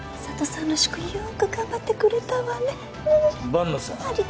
万野さん